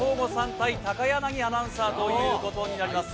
対高柳アナウンサーということになります。